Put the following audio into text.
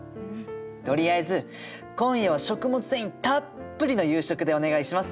とりあえず今夜は食物繊維たっぷりの夕食でお願いします！